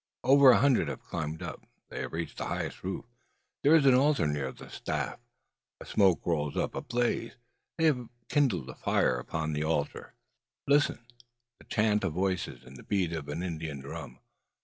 Over a hundred have climbed up. They have reached the highest root. There is an altar near the staff. A smoke rolls up a blaze: they have kindled a fire upon the altar. Listen! the chant of voices, and the beat of an Indian drum!